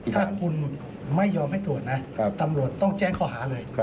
ถ้าคุณไม่ยอมให้ตรวจนะตำรวจต้องแจ้งข้อหาเลย